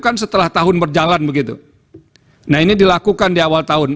nah ini dilakukan di awal tahun